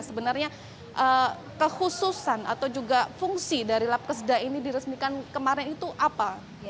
jadi kehususan atau juga fungsi dari lap kesedah ini diresmikan kemarin itu apa